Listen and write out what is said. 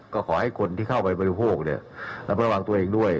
ก็ขอให้คนที่เข้าไปบริโภคและระวังตัวเองด้วย